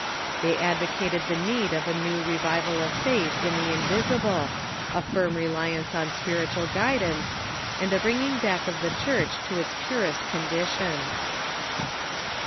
They advocated the need of a new revival of faith in the invisible, a firm reliance on spiritual guidance, and a bringing back of the Church to its purest conditions.